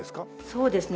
そうですね。